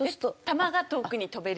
球が遠くに飛べる。